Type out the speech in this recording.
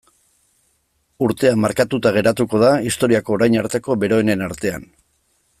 Urtea markatuta geratuko da historiako orain arteko beroenen artean.